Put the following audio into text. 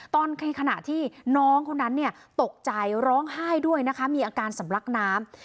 ในขณะที่น้องคนนั้นเนี่ยตกใจร้องไห้ด้วยนะคะมีอาการสำลักน้ำ